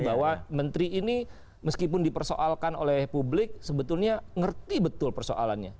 bahwa menteri ini meskipun dipersoalkan oleh publik sebetulnya ngerti betul persoalannya